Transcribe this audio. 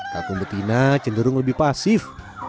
kampung betina cenderung lebih pasif